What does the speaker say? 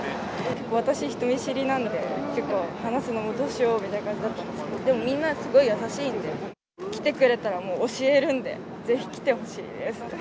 私、人見知りなので、結構、話すのもどうしようみたいな感じだったんですけど、みんなすごい優しいんで、来てくれたら、もう教えるんで、ぜひ来てほしいです。